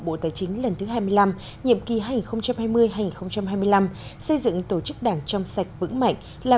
bộ tài chính lần thứ hai mươi năm nhiệm kỳ hai nghìn hai mươi hai nghìn hai mươi năm xây dựng tổ chức đảng trong sạch vững mạnh là